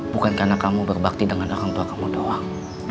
bukan karena kamu berbakti dengan orang tua kamu doang